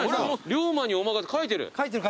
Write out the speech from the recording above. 竜馬におまかせ書いてる！